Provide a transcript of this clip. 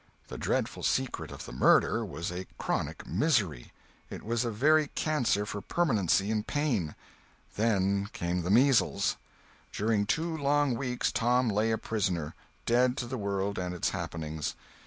The dreadful secret of the murder was a chronic misery. It was a very cancer for permanency and pain. Then came the measles. During two long weeks Tom lay a prisoner, dead to the world and its happenings.